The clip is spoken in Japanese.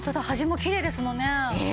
端もきれいですもんね。